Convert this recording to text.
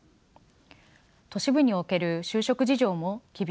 都市部における就職事情も厳しいです。